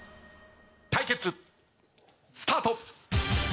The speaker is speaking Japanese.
対決スタート！